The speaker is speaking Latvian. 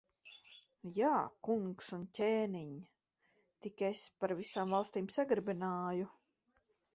Jā, kungs un ķēniņ! Tik es ar pa visām valstīm sagrabināju.